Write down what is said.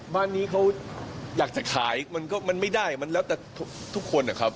บ้านนี้เขาอยากจะขายมันก็มันไม่ได้มันแล้วแต่ทุกคนนะครับ